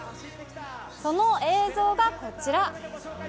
その映像がこちら。